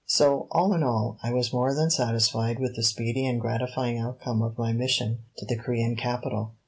So, all in all, I was more than satisfied with the speedy and gratifying outcome of my mission to the Corean capital.